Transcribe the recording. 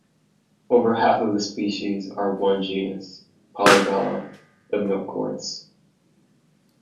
Over half of the species are in one genus, "Polygala", the milkworts.